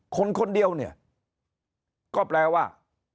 คนคนเดียวเนี่ยก็แปลว่า